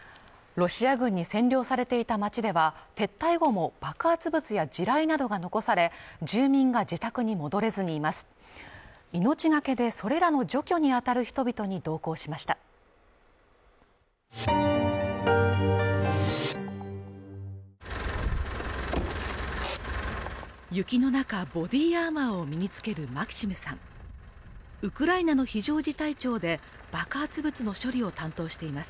ロシア軍に占領されていた町では撤退後も、爆発物や地雷などが残され、住民が自宅に戻れずにいます。